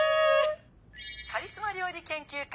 カリスマ料理研究家